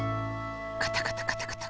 カタカタカタカタ。